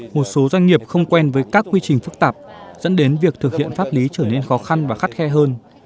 một số doanh nghiệp không quen với các quy trình phức tạp dẫn đến việc thực hiện pháp lý trở nên khó khăn và khắt khe hơn